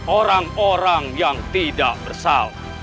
orang orang yang tidak bersalah